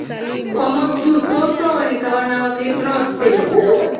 Kwamotu so twavonika van ava kilfu na vaksero.